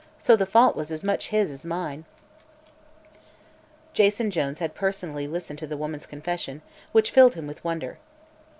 So the fault was his as much as mine." Jason Jones had personally listened to the woman's confession, which filled him with wonder.